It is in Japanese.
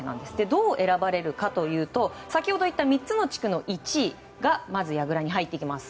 どう選ばれるかというと先ほど言った３つの地区の１位がやぐらに入ってきます。